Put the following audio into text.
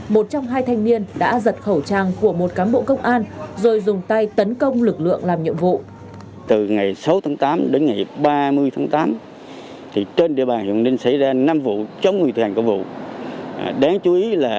một trong hai thanh niên đã giật khẩu trang của một cán bộ công an rồi dùng tay tấn công lực lượng làm nhiệm vụ